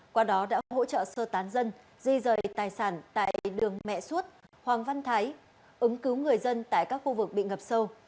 qua đó đã hỗ trợ sơ tán dân di rời tài sản tại đường mẹ suốt hoàng văn thái ứng cứu người dân tại các khu vực bị ngập sâu